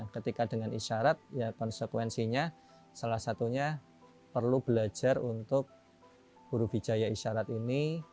ketika dengan isyarat ya konsekuensinya salah satunya perlu belajar untuk guru wijaya isyarat ini